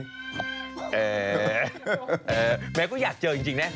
แหมก็อยากเจอจริงนะ